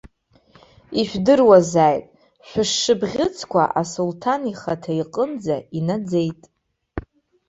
Ижәдыруазааит, шәышшыбӷьыцқәа асулҭан ихаҭа иҟынӡа инаӡеит.